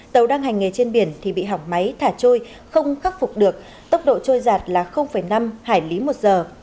tàu đang hành nghề trên biển thì bị hỏng máy thả trôi không khắc phục được tốc độ trôi giạt là năm hải lý một giờ